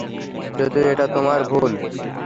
যদিও এটা তোমার ভুল।